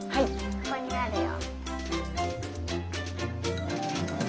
ここにあるよ。